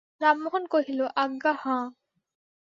রামমোহন কহিল, আজ্ঞা হাঁ।